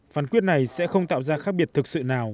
phán quyết này sẽ không tạo ra khác biệt thực sự nào